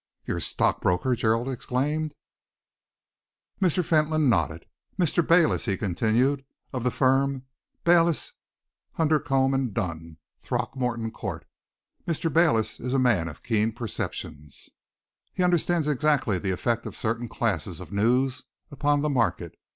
"Your stockbroker!" Gerald exclaimed. Mr. Fentolin nodded. "Mr. Bayliss," he continued, "of the firm of Bayliss, Hundercombe & Dunn, Throgmorton Court. Mr. Bayliss is a man of keen perceptions. He understands exactly the effect of certain classes of news upon the market.